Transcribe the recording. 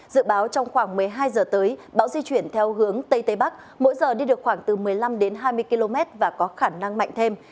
dự báo trong khoảng một mươi hai giờ tới bão di chuyển theo hướng tây tây bắc mỗi giờ đi được khoảng từ một mươi năm đến hai mươi km và có khả năng mạnh thêm